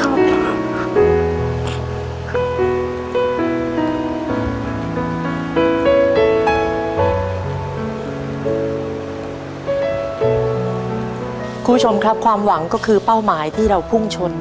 คุณผู้ชมครับความหวังก็คือเป้าหมายที่เราพุ่งชน